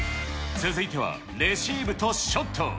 続いては、レシーブとショット。